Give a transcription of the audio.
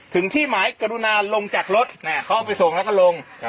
ถึงที่หมายกระดูนานลงจากรถนี่เขาออกไปส่งแล้วก็ลง